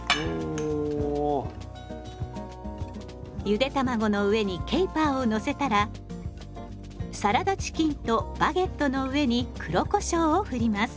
ゆで卵の上にケイパーをのせたらサラダチキンとバゲットの上に黒こしょうをふります。